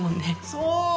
そう。